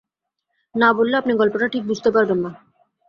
না-বললে আপনি গল্পটা ঠিক বুঝতে পারবেন না।